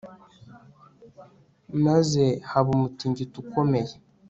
maze haba umutingito ukomeye